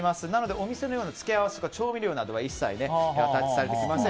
お店のような付け合わせや調味料などは一切入っておりません。